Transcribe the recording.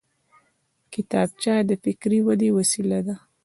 کتابچه د فکري ودې وسیله ده